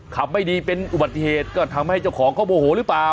ไม่ดีเป็นอุบัติเหตุก็ทำให้เจ้าของเขาโมโหหรือเปล่า